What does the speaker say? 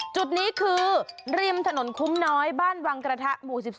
จุดนี้คือริมถนนคุ้มน้อยบ้านวังกระทะหมู่๑๒